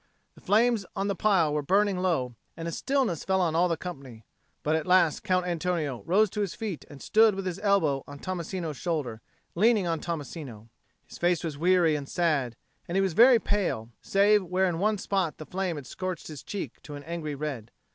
The flames on the pile were burning low, and a stillness fell on all the company. But at last Count Antonio rose to his feet and stood with his elbow on Tommasino's shoulder, leaning on Tommasino. His face was weary and sad, and he was very pale, save where in one spot the flame had scorched his cheek to an angry red.